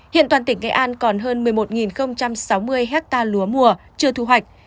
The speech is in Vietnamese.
hiện toàn tỉnh nghệ an còn hơn một mươi một sáu mươi hectare lúa mùa chưa thu hoạch